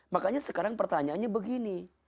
makanya sekarang pertanyaannya begini